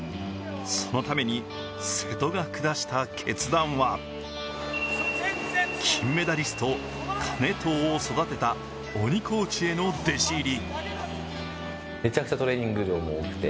そのために瀬戸が下した決断は金メダリスト、金藤を育てた鬼コーチへの弟子入り。